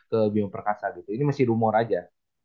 ke bio perkasa gitu ini masih rumor aja